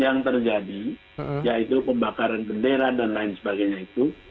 yang terjadi yaitu pembakaran bendera dan lain sebagainya itu